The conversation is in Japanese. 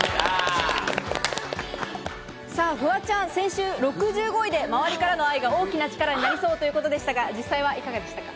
フワちゃん、先週６５位で周りからの愛が大きな力になりそうということでしたが、実際いかがでしたか？